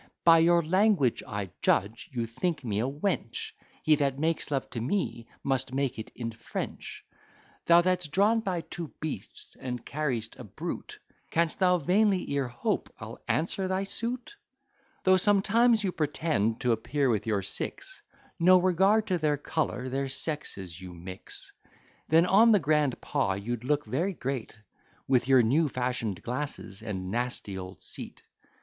By your language, I judge, you think me a wench; He that makes love to me, must make it in French. Thou that's drawn by two beasts, and carry'st a brute, Canst thou vainly e'er hope, I'll answer thy suit? Though sometimes you pretend to appear with your six, No regard to their colour, their sexes you mix: Then on the grand paw you'd look very great, With your new fashion'd glasses, and nasty old seat.